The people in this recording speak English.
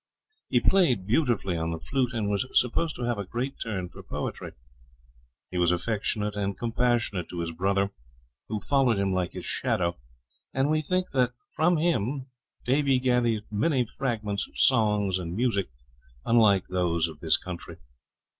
He played beautifully on the flute, and was supposed to have a great turn for poetry. He was affectionate and compassionate to his brother, who followed him like his shadow, and we think that from him Davie gathered many fragments of songs and music unlike those of this country.